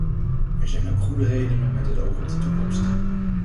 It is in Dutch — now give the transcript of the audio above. Er zijn ook goede redenen met het oog op de toekomst.